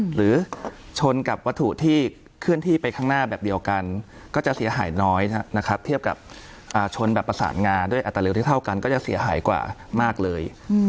หรือชนกับวัตถุที่เคลื่อนที่ไปข้างหน้าแบบเดียวกันก็จะเสียหายน้อยนะครับเทียบกับชนแบบประสานงาด้วยอัตราเร็วที่เท่ากันก็จะเสียหายกว่ามากเลย